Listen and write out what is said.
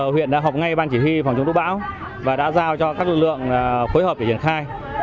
huyện đã học ngay ban chỉ huy phòng chống thủ bão và đã giao cho các lực lượng khối hợp để diễn khai